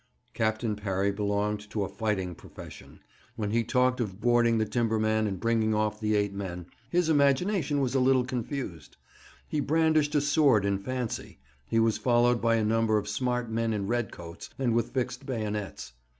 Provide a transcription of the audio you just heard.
Captain Parry belonged to a fighting profession. When he talked of boarding the timberman and bringing off the eight men, his imagination was a little confused. He brandished a sword in fancy; he was followed by a number of smart men in red coats, and with fixed bayonets.